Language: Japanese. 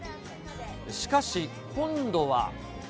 しかし、今度は。